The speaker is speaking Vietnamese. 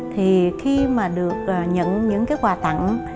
thì khi mà được nhận những quà tặng